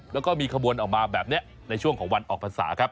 แล้วก็มีขบวนออกมาแบบนี้ในช่วงของวันออกพรรษาครับ